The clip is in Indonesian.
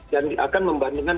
dan akan membandingkan